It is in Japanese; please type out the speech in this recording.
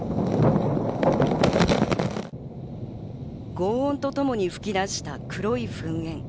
ごう音とともに吹き出した黒い噴煙。